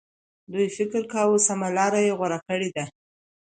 دوی فکر کاوه سمه لار یې غوره کړې ده.